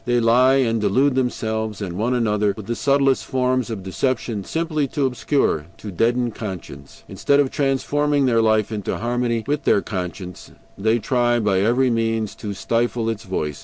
They lie, and delude themselves, and one another, with the subtlest forms of deception, simply to obscure, to deaden conscience. Instead of transforming their life into harmony with their conscience, they try by every means to stifle its voice.